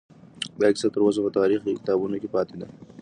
دا کیسه تر اوسه په تاریخي کتابونو کې پاتې ده.